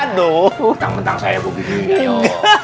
bentang bentang saya gua bikin